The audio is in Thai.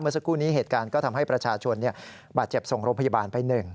เมื่อสักครู่นี้เหตุการณ์ก็ทำให้ประชาชนบาดเจ็บทรงโรพยาบาลไปหนึ่ง